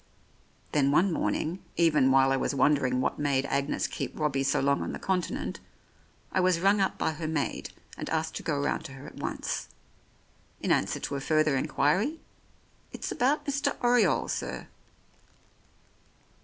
... Then one morning, even while I was wondering what made Agnes keep Robbie so long on the Con tinent, I was rung up by her maid, and asked to go round to her at once. In answer to a further inquiry, "It's about Mr. Oriole, sir."